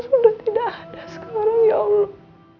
sudah tidak ada sekarang ya allah